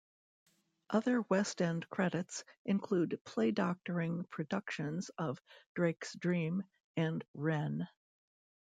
Other West End credits include playdoctoring productions of "Drake's Dream" and "Wren".